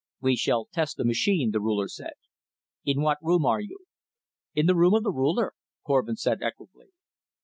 "We shall test the machine," the Ruler said. "In what room are you?" "In the Room of the Ruler," Korvin said equably.